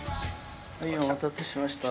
はいお待たせしました。